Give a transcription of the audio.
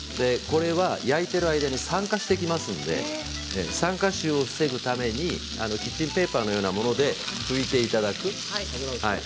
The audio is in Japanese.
これは焼いている間酸化していきますので酸化臭を防ぐためにキッチンペーパーのようなもので拭いていただく。